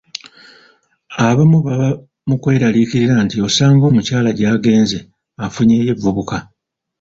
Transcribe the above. Abamu baba mu kweraliikirira nti osanga omukyala gy’agenze afunyeeyo evvubuka.